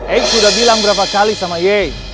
eh sudah bilang berapa kali sama ye